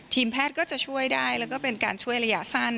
แพทย์ก็จะช่วยได้แล้วก็เป็นการช่วยระยะสั้น